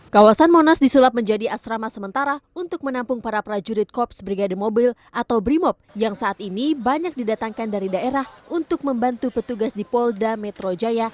kawasan monas disulap menjadi asrama sementara untuk menampung para prajurit kops brigade mobil atau brimop yang saat ini banyak didatangkan dari daerah untuk membantu petugas di polda metro jaya